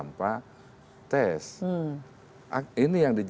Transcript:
aparatus sipil negara khusus k dua itu tanpa tes